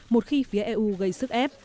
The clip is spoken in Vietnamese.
một khi phía eu gây sức ép